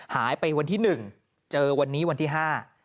หายไปวันที่หนึ่งเจอวันนี้วันที่ห้า